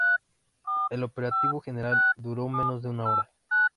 El operativo general duró menos de una hora.